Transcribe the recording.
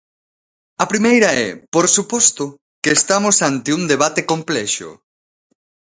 A primeira é, por suposto, que estamos ante un debate complexo.